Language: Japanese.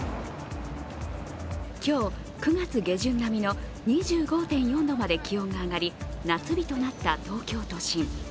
今日、９月下旬並みの２５．４度まで気温が上がり夏日となった東京都心。